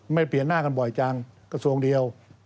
เปลี่ยนหน้ากันบ่อยจังกระทรวงเดียว